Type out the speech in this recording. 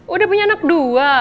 udah punya anak dua